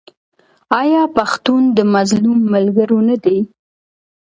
آیا پښتون د مظلوم ملګری نه دی؟